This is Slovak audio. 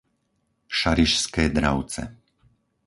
Šarišské Dravce